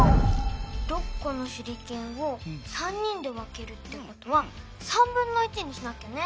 ６このしゅりけんを３人でわけるってことはにしなきゃね。